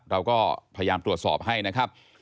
เราก็พยายามตรวจสอบให้นะครับ